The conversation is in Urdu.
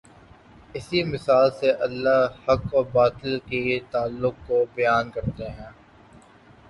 اسی مثال سے اللہ حق اور باطل کے تعلق کو بیان کرتا ہے۔